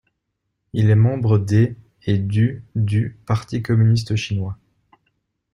Il est membre des et du du Parti communiste chinois.